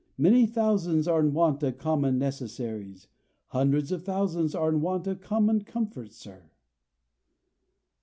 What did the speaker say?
Many thousands are in want of common necessaries; hundreds of thousands are in want of common comforts, sir."